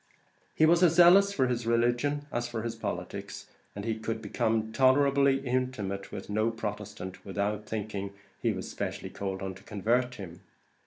He was as zealous for his religion as for his politics; and he could become tolerable intimate with no Protestant, without thinking he was specially called on to convert him.